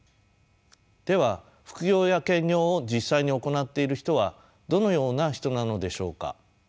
では副業や兼業を実際に行っている人はどのような人なのでしょうか。